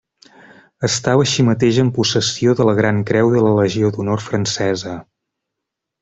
Estava així mateix en possessió de la Gran Creu de la Legió d'Honor francesa.